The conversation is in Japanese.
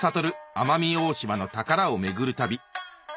奄美大島の宝を巡る旅